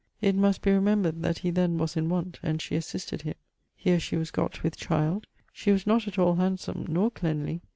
It must be remembred that he then was in want[XXVIII.], and she assisted him. Here she was gott with child. She was not at all handsome, nor cleanly.